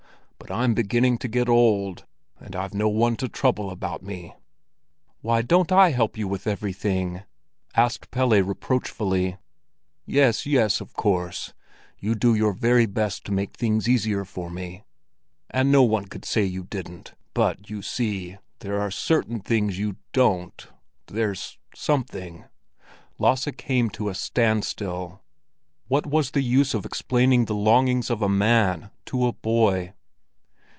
But I'm beginning to get old, and I've no one to trouble about me." "Why, don't I help you with everything?" asked Pelle reproachfully. "Yes, yes, of course you do your very best to make things easier for me, and no one could say you didn't. But, you see—there are certain things you don't—there's something—" Lasse came to a standstill. What was the use of explaining the longings of a man to a boy?